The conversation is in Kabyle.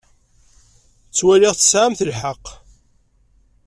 Ttwaliɣ tesɛamt lḥeqq.